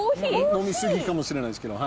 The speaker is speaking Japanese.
飲み過ぎかもしれないけど。